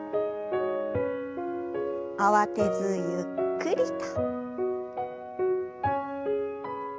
慌てずゆっくりと。